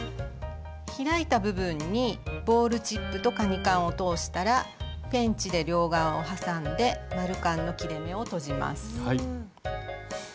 開いた部分にボールチップとカニカンを通したらペンチで両側を挟んで丸カンの切れ目をとじます。